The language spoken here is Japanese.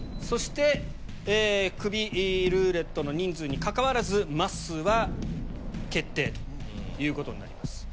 そしてクビルーレットの人数にかかわらずまっすーは決定ということになります。